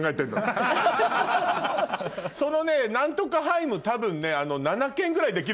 その何とかハイム多分ね。